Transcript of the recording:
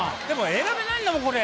選べないんだもん、これ。